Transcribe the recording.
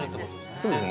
◆そうですね。